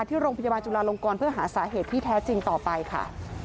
ที่โรงพยาบาลจุลาลงกรเพื่อหาสาเหตุที่แท้จริงต่อไปค่ะ